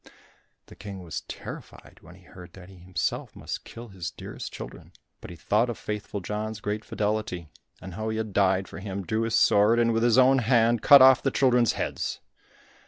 The King was terrified when he heard that he himself must kill his dearest children, but he thought of faithful John's great fidelity, and how he had died for him, drew his sword, and with his own hand cut off the children's heads.